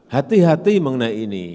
hati hati mengenai ini